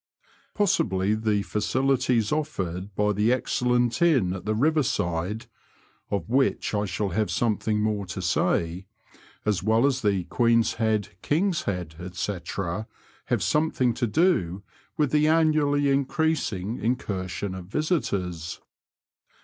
Possibly the facilities offered by the excellent inn at the riverside (of which I shall have something more to say), as well as the Queen's Head, King's Head, &c., have something to do with the annually increasing incursion of visitors.